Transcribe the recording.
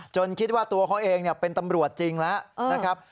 คิดว่าตัวเขาเองเป็นตำรวจจริงแล้วนะครับ